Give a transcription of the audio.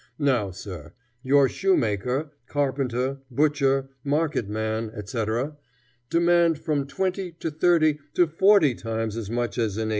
Now, sir, your shoemaker, carpenter, butcher, market man, etc., demand from twenty, to thirty, to forty times as much as in 1860.